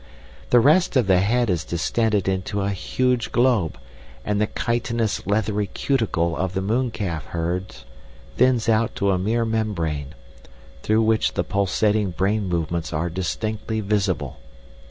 "The rest of the head is distended into a huge globe and the chitinous leathery cuticle of the mooncalf herds thins out to a mere membrane, through which the pulsating brain movements are distinctly visible.